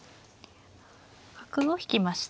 角を引きました。